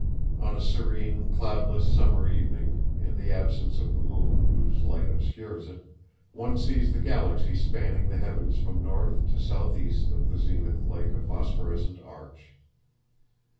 On a serene, cloudless summer evening, in the absence of the moon, whose light obscures it, one sees the Galaxy spanning the heavens from north to southeast of the zenith like a phosphorescent arch.